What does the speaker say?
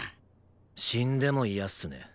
死んでも嫌っすね。